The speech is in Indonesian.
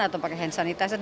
atau pakai hand sanitizer